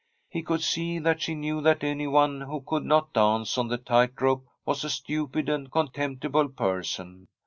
He could see that she knew that anyone who could not dance on the tight rope was a stupid and contemptible person.